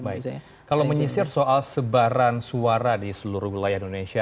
baik kalau menyisir soal sebaran suara di seluruh wilayah indonesia